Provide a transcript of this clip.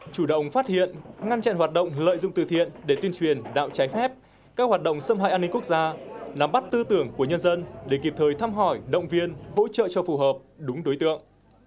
chủ động phát hiện ngăn chặn hoạt động lợi dụng từ thiện để tuyên truyền đạo trái phép các hoạt động xâm hại an ninh quốc gia nắm bắt tư tưởng của nhân dân để kịp thời thăm hỏi động viên hỗ trợ cho phù hợp đúng đối tượng